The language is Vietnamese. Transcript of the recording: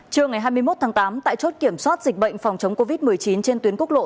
trưa ngày hai mươi một tháng tám tại chốt kiểm soát dịch bệnh phòng chống covid một mươi chín trên tuyến quốc lộ